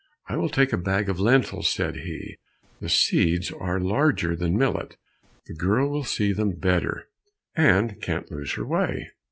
"I will take a bag with lentils," said he; "the seeds are larger than millet, the girl will see them better, and can't lose her way."